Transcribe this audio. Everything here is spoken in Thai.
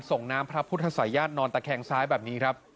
ส่งน้ำพระพุทธศัยญาตินอนตะแคงซ้ายแบบนี้ครับ